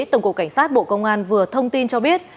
tổng cục cảnh sát bộ công an vừa thông tin cho biết